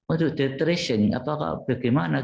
untuk detresen apakah bagaimana